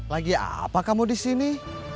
lagi apa kamu disini